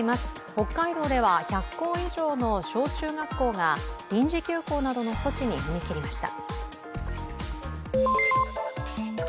北海道では１００校以上の小中学校が臨時休校などの措置に踏み切りました。